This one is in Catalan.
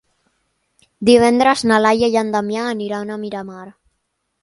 Divendres na Laia i en Damià aniran a Miramar.